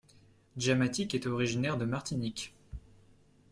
Djamatik est originaire de Martinique.